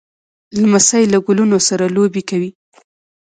لمسی له ګلونو سره لوبې کوي.